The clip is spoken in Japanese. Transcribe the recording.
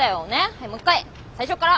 はいもう一回最初から。